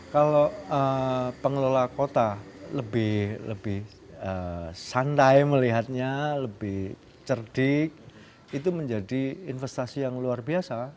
kalau pengelola kota lebih santai melihatnya lebih cerdik itu menjadi investasi yang luar biasa